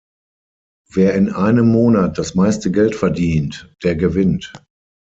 Wer in einem Monat das meiste Geld verdient, der gewinnt.